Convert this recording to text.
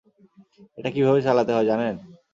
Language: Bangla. এটা কীভাবে চালাতে হয় জানেন?